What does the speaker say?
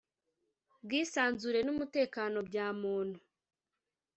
Bwisanzure n’umutekano bya muntu